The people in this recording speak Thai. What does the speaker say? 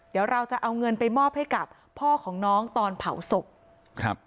เดี๋ยวเราจะเอาเงินไปมอบให้กับพ่อของน้องตอนเผาศพครับ